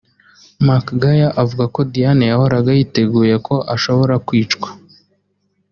McGuire avuga ko Diana yahoraga yiteguye ko ashobora kwicwa